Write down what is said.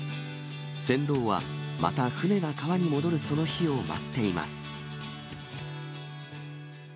船頭は、また船が川に戻るその日を待っています。